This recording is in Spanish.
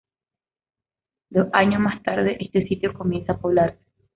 Dos años más tarde, este sitio comienza a poblarse.